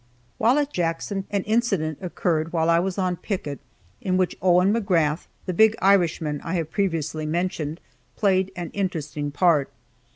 While at Jackson an incident occurred while I was on picket in which Owen McGrath, the big Irishman I have previously mentioned, played an interesting part.